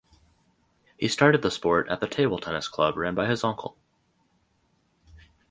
He started the sport at the table tennis club ran by his uncle.